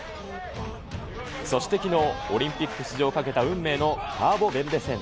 そしてきのう、オリンピック出場をかけた運命のカーボベルデ戦。